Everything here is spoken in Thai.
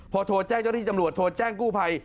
พอโทรแจ้งเจ้าหน้าที่ตำรวจโทรแจ้งกู้ภัย